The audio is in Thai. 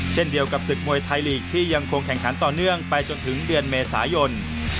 เช่นเดียวกับศึกมวยไทยลีกที่ยังคงแข่งขันต่อเนื่องไปจนถึงเดือนเมษายน